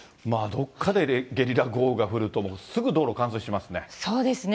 どっかでゲリラ豪雨が降ると、すぐ道路冠水しますね。